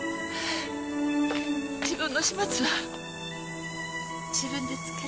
自分の始末は自分でつける。